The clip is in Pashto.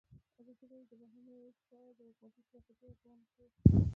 ازادي راډیو د بهرنۍ اړیکې په اړه د حکومتي ستراتیژۍ ارزونه کړې.